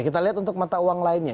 kita lihat untuk mata uang lainnya